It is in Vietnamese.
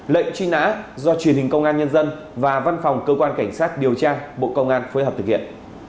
lệnh truy nã do truyền hình công an nhân dân và văn phòng cơ quan cảnh sát điều tra bộ công an phối hợp thực hiện